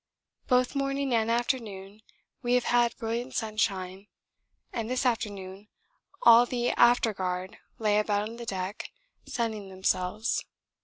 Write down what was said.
Both morning and afternoon we have had brilliant sunshine, and this afternoon all the after guard lay about on the deck sunning themselves.